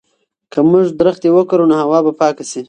که موږ ونې وکرو نو هوا به پاکه شي.